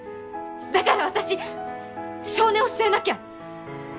だから私性根を据えなきゃ！